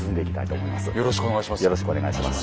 よろしくお願いします。